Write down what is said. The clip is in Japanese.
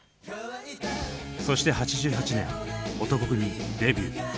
そして８８年男闘呼組デビュー。